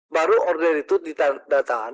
baru order itu ditanah tangani